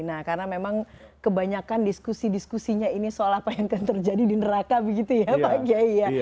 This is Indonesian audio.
nah karena memang kebanyakan diskusi diskusinya ini soal apa yang akan terjadi di neraka begitu ya pak kiai ya